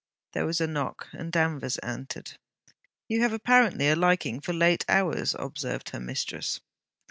There was a knock, and Danvers entered. 'You have apparently a liking for late hours,' observed her mistress.